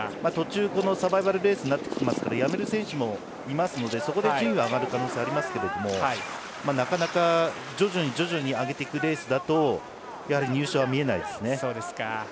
途中、サバイバルレースになってきますからやめる選手もいますのでそこで順位が上がる可能性はありますけれどもなかなか徐々に上げていくレースだとやはり入賞は見えないですね。